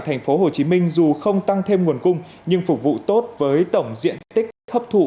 thành phố hồ chí minh dù không tăng thêm nguồn cung nhưng phục vụ tốt với tổng diện tích hấp thụ